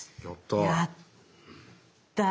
やったぁ。